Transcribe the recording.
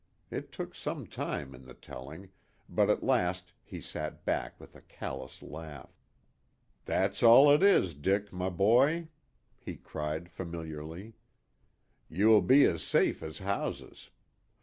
It took some time in the telling, but at last he sat back with a callous laugh. "That's all it is, Dick, my boy," he cried familiarly. "You will be as safe as houses.